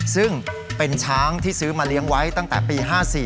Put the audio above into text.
ซึ่งเป็นช้างที่ซื้อมาเลี้ยงไว้ตั้งแต่ปี๕๔